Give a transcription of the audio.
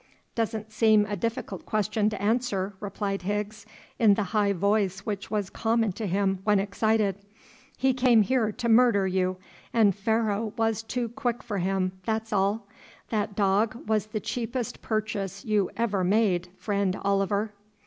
"Doesn't seem a difficult question to answer," replied Higgs, in the high voice which was common to him when excited. "He came here to murder you, and Pharaoh was too quick for him, that's all. That dog was the cheapest purchase you ever made, friend Oliver."